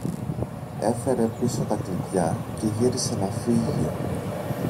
έφερε πίσω τα κλειδιά και γύρισε να φύγει.